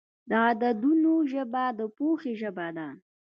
د عددونو ژبه د پوهې ژبه ده.